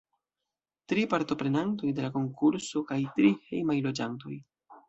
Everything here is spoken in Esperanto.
Tri partoprenantoj de la konkurso kaj tri hejmaj loĝantoj.